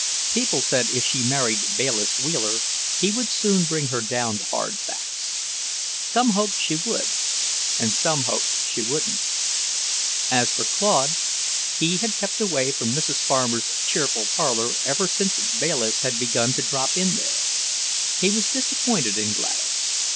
People said if she married Bayliss Wheeler, he would soon bring her down to hard facts. Some hoped she would, and some hoped she wouldn't. As for Claude, he had kept away from Mrs. Farmer's cheerful parlour ever since Bayliss had begun to drop in there. He was disappointed in Gladys.